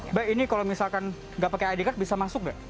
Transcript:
mbak ini kalau misalkan nggak pakai id card bisa masuk nggak